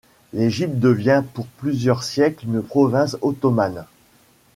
L'Égypte devient pour plusieurs siècle une province ottomane.